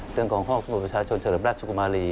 เรื่องของห้องสมุนประชาชนเฉลิมราชสุกุมารี